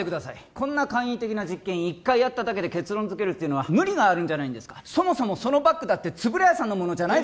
こんな簡易的な実験一回やっただけで結論づけるっていうのは無理があるんじゃそもそもそのバッグだって円谷さんのものじゃないでしょ